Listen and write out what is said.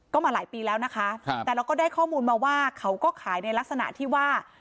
ก็มาหลายปีแล้วนะคะแต่เราก็ได้ข้อมูลมาว่าเขาก็ขายในลักษณะที่ว่า